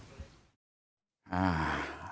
อย่างของขอบคุณสิ่งหรือแบบนั้น